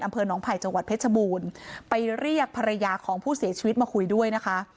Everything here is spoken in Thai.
อำเภอหนองไผ่จังหวัดเพชรบูรณ์ไปเรียกภรรยาของผู้เสียชีวิตมาคุยด้วยนะคะ